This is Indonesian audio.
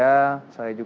saya juga harus belajar